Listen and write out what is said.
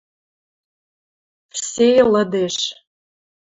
Ввсей лыдеш.